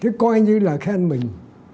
nói như là khen mình